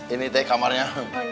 ini teh kamarnya